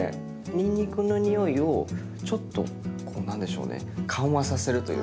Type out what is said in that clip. にんにくの匂いをちょっとこう何でしょうね緩和させるというか。